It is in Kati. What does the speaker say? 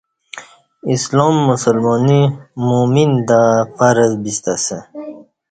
اسلام مسلمانی مؤمن تہ فرض بیستہ اسہ